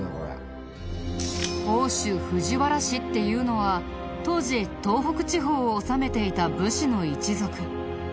奥州藤原氏っていうのは当時東北地方を治めていた武士の一族。